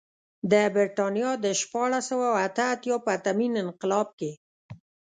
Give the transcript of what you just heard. د برېټانیا د شپاړس سوه اته اتیا پرتمین انقلاب کې.